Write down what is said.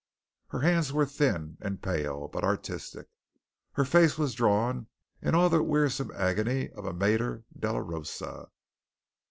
Her hands were thin and pale, but artistic, and her face drawn in all the wearisome agony of a mater dolorosa.